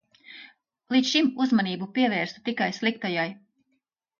Līdz šim uzmanību pievērsu tikai sliktajai.